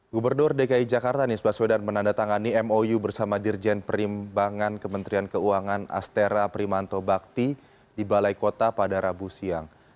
gubernur dki jakarta nisbaswedan menandatangani mou bersama dirjen perimbangan kementerian keuangan astera primanto bakti di balai kota padarabu siang